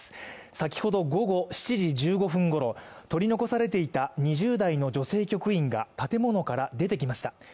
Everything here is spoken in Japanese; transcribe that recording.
先ほど午後７時１５分ごろ取り残されていた２０代の女性局員が建物から出てきました。